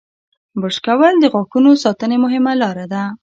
• برش کول د غاښونو ساتنې مهمه لاره ده.